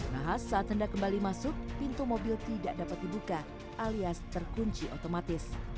nahas saat hendak kembali masuk pintu mobil tidak dapat dibuka alias terkunci otomatis